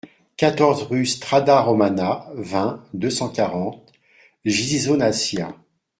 quatorze rue Strada Romana, vingt, deux cent quarante, Ghisonaccia